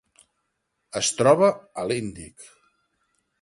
Es troba a l'Índic.